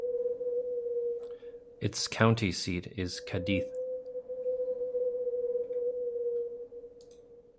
Its county seat is Cadiz.